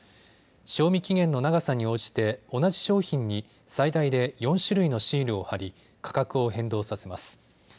賞味期限の長さに応じて同じ商品に最大で４種類のシールを貼り価格を変動させます。